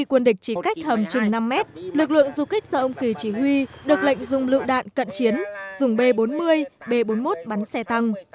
quân địch chỉ cách hầm chừng năm mét lực lượng du kích do ông kỳ chỉ huy được lệnh dùng lựu đạn cận chiến dùng b bốn mươi b bốn mươi một bắn xe tăng